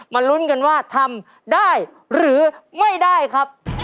ลุ้นกันว่าทำได้หรือไม่ได้ครับ